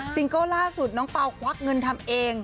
เกิลล่าสุดน้องเปล่าควักเงินทำเอง